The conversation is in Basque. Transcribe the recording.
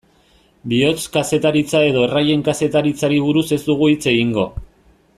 Bihotz-kazetaritza edo erraien kazetaritzari buruz ez dugu hitz egingo.